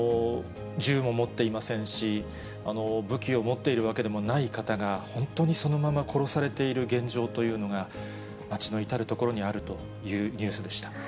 銃も持っていませんし、武器を持っているわけでもない方が、本当にそのまま殺されている現状というのが、町の至る所にあるというニュースでした。